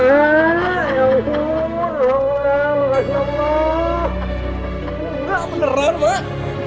nggak beneran mak